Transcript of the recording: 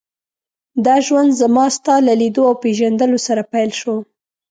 دا ژوند زما ستا له لیدو او پېژندلو سره پیل شو.